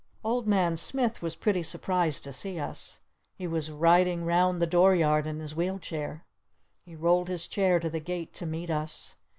Old Man Smith was pretty surprised to see us. He was riding round the door yard in his wheel chair. He rolled his chair to the gate to meet us.